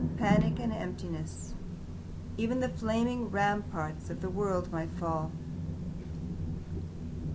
Panic and emptiness! Even the flaming ramparts of the world might fall.